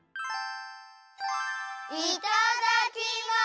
いただきます！